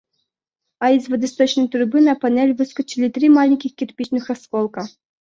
А из водосточной трубы на панель выскочили три маленьких кирпичных осколка.